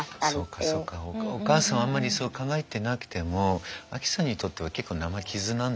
そうかそうかお母さんはあんまりそう考えてなくてもアキさんにとっては結構生傷なんですよね